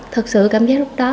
tôi cảm giác lúc đó